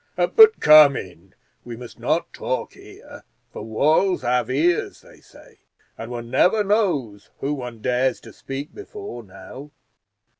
But come in; we must not talk here, for walls have ears, they say, and one never knows who one dares to speak before now."